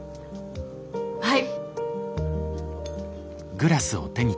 はい。